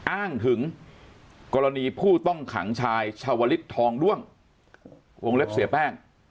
อ้างถึงกรณีผู้ต้องขังชายชาวลิศทองด้วงวงเล็บเสียแป้ง